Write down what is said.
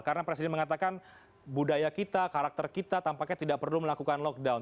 karena presiden mengatakan budaya kita karakter kita tampaknya tidak perlu melakukan lockdown